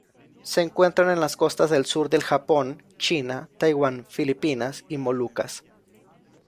Se encuentran en las costas del sur del Japón, China, Taiwán, Filipinas y Molucas.